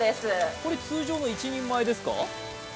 これ通常の一人前ですか？